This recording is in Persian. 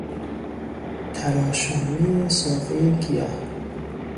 تراشامهی ساقهی گیاه